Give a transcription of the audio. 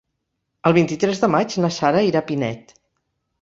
El vint-i-tres de maig na Sara irà a Pinet.